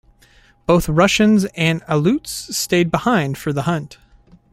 Both Russians and Aleuts stayed behind for the hunt.